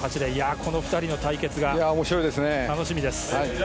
この２人の対決が楽しみです。